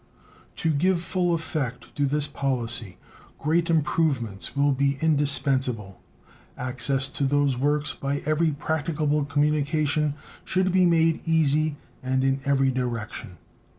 To give full effect to this policy great improvements will be indispensable. Access to those works by every practicable communication should be made easy and in every direction.